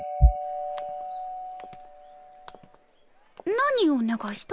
何お願いした？